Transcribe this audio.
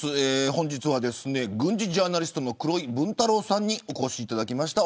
本日は軍事ジャーナリストの黒井文太郎さんにお越しいただきました。